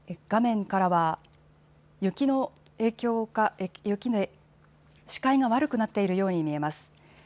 画面からは雪の影響か視界が悪くなっているように見えます。